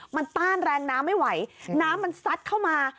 มันต้านแรงน้ำไม่ไหวน้ำมันซัดเข้ามา